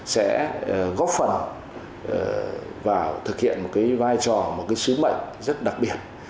sẽ góp phần vào thực hiện một vai trò một sứ mệnh rất đặc biệt